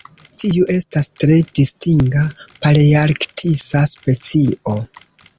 Tiu estas tre distinga palearktisa specio.